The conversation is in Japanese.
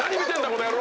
この野郎！」